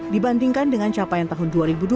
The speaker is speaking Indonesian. dibandingkan dengan capaian tahun dua ribu dua puluh